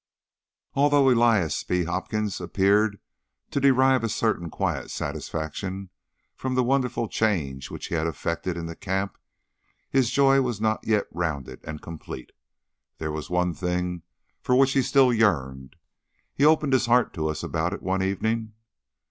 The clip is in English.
Although Elias B. Hopkins appeared to derive a certain quiet satisfaction from the wonderful change which he had effected in the camp, his joy was not yet rounded and complete. There was one thing for which he still yearned. He opened his heart to us about it one evening.